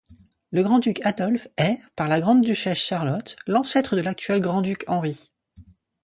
Le grand-duc Adolphe est, par la grande-duchesse Charlotte l'ancêtre de l'actuel grand-duc Henri.